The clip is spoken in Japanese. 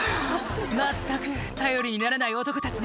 「まったく頼りにならない男たちね」